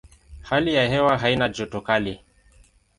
Hali ya hewa haina joto kali.